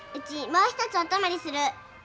もう一つお泊まりする。